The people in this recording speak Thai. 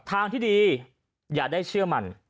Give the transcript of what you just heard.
ทางที่ดีอย่าได้เชื่อมัน